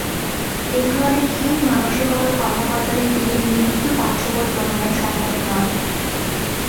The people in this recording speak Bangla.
এ ধরনের হীন মানসিকতার কর্মকর্তাদের দিয়ে নির্ভুল পাঠ্যবই প্রণয়ন সম্ভব নয়।